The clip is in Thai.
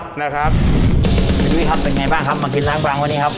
พี่ยุ้ยครับเป็นไงบ้างครับมากินล้างบางวันนี้ครับ